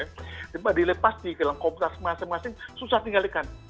tiba tiba dilepas di dalam komputer masing masing susah tinggalikan